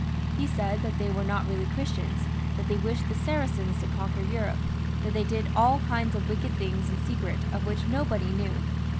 He said that, they were not really Christians, that they wished the Saracens to conquer Europe, that they did all kinds of wicked things in secret, of which nobody knew.